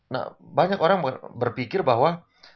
nah banyak orang berpikir bahwa